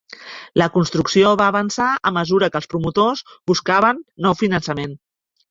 La construcció va avançar a mesura que els promotors buscaven nou finançament.